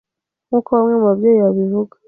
nkuko bamwe mu babyeyi babivuga,